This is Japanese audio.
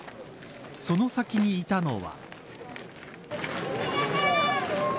その先にいたのは。